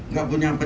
nggak punya pak